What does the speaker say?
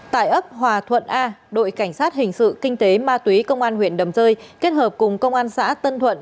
tại ấp hòa thuận a đội cảnh sát hình sự kinh tế ma túy công an huyện đầm rơi kết hợp cùng công an xã tân thuận